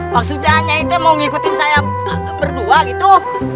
maksudnya nyai te mau ngikutin saya berdua gitu